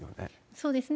そうですね。